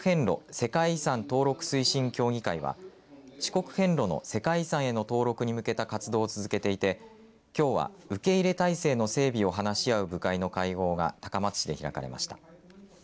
世界遺産登録推進協議会は四国遍路の世界遺産への登録に向けた活動を続けていてきょうは受け入れ態勢の整備を話し合う部会の会合が高松市で開かれました。